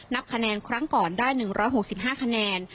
นับคะแนนครั้งก่อนได้๑๖๕คะแนน